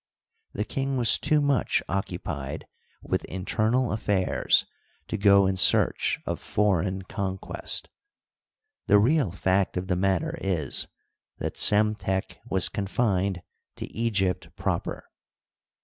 The king was too much occupied with internal affairs to go in search of foreign conquest. The real fact of the matter is. that Psemtek was confined to Egypt proper.